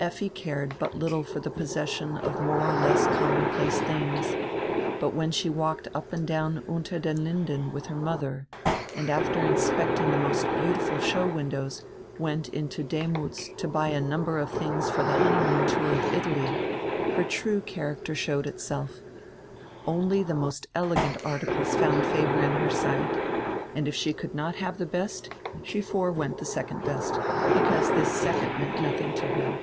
Effi cared but littie for die possession of more or less com monplace tilings, but when she walked up and down Unter den Linden with her modier, and, after inspecting the most beautiful show windows, went into Demuth's to buy a num ber of tilings for the honeymoon tour of Italy, her true character showed itself. Only die most elegant articles found favor in her sight, and, if she could not have die best, she forewent die second best, because diis second meant nothing to her.